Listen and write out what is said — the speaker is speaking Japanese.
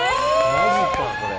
マジかこれ。